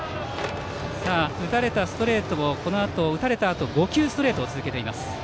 打たれたストレートを打たれたあと５球ストレートを続けています。